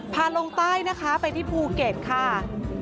ลงใต้นะคะไปที่ภูเก็ตค่ะ